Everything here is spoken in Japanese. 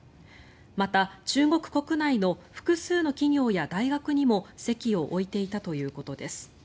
また、中国国内の複数の企業や大学にも籍を置いていたということです。